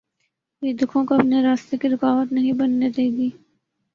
یہ دکھوں کو اپنے راستے کی رکاوٹ نہیں بننے دے گی۔